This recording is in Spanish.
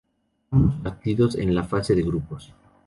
Ambos partidos en la fase de grupos.